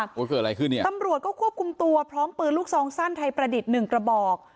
เกิดอะไรขึ้นเนี่ยตำรวจก็ควบคุมตัวพร้อมปืนลูกซองสั้นไทยประดิษฐ์หนึ่งกระบอก